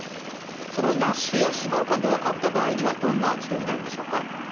そのＮＡＳＨや脂肪肝と分かった場合にはどんな治療になるんでしょうか？